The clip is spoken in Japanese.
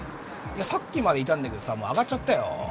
さっきまでいたんだけどさもう上がっちゃったよ